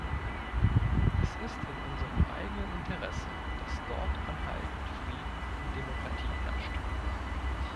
Es ist in unserem eigenen Interesse, dass dort anhaltend Frieden und Demokratie herrschen.